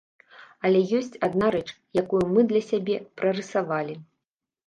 Але ёсць адна рэч, якую мы для сябе прарысавалі.